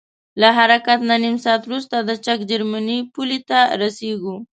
له حرکت نه نیم ساعت وروسته د چک جرمني پولې ته رسیږو.